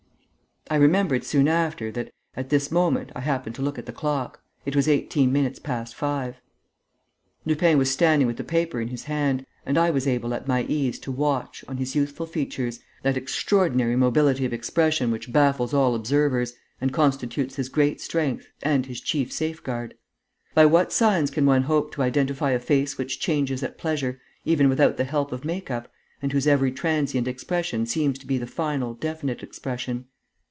I remembered soon after that, at this moment, I happened to look at the clock. It was eighteen minutes past five. Lupin was standing with the paper in his hand; and I was able at my ease to watch, on his youthful features, that extraordinary mobility of expression which baffles all observers and constitutes his great strength and his chief safeguard. By what signs can one hope to identify a face which changes at pleasure, even without the help of make up, and whose every transient expression seems to be the final, definite expression?...